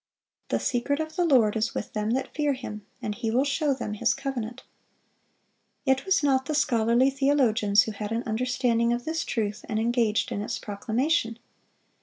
"The secret of the Lord is with them that fear Him; and He will show them His covenant."(507) It was not the scholarly theologians who had an understanding of this truth, and engaged in its proclamation.